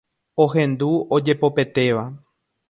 ohendu ojepopetéva.